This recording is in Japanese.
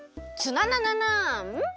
ツナナナナーン？